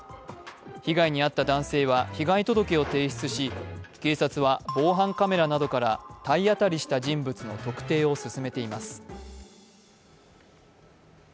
被害に遭った男性は被害届を提出し、警察は防犯カメラなどから体当たりした人物の特定などを進めています。